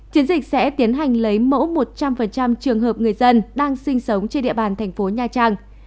chiến dịch sẽ tiến hành lấy mẫu một trăm linh trường hợp người dân đang sinh sống trên địa bàn thành phố nha trang